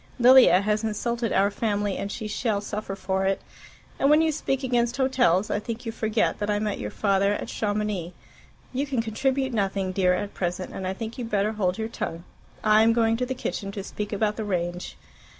Lilia has insulted our family, and she shall suffer for it. And when you speak against hotels, I think you forget that I met your father at Chamounix. You can contribute nothing, dear, at present, and I think you had better hold your tongue. I am going to the kitchen, to speak about the range."